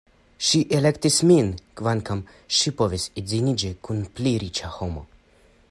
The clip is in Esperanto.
Ŝi elektis min, kvankam ŝi povis edziniĝi kun pli riĉa homo.